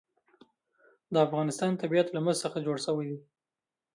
د افغانستان طبیعت له مس څخه جوړ شوی دی.